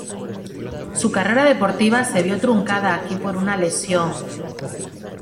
Su carrera deportiva se vio truncada aquí por una lesión.